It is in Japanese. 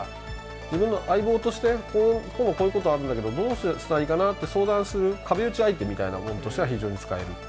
自分の相棒として、こういうことがあるんだけどどうしたらいいかなって相談する、壁打ち相手みたいなものとしては非常に使える。